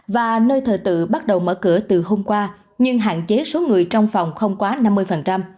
và nơi thờ tự bắt đầu mở cửa từ hôm qua nhưng hạn chế số người trong phòng không quá năm mươi